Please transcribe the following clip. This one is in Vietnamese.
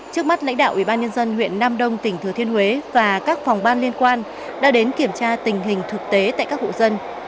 trước mắt lãnh đạo ubnd huyện nam đông tỉnh thừa thiên huế và các phòng ban liên quan đã đến kiểm tra tình hình thực tế tại các hộ dân